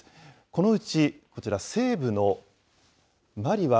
このうちこちら、西部のマリは、